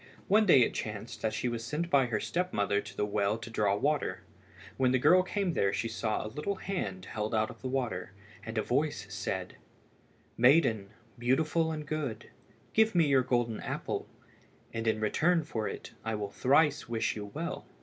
One day it chanced that she was sent by her step mother to the well to draw water. When the girl came there she saw a little hand held out of the water, and a voice said "Maiden, beautiful and good, give me your golden apple, and in return for it I will thrice wish you well."